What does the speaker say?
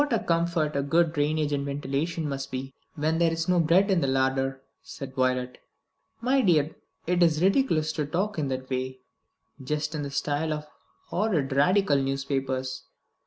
"What a comfort good drainage and ventilation must be, when there is no bread in the larder!" said Violet. "My dear, it is ridiculous to talk in that way; just in the style of horrid Radical newspapers.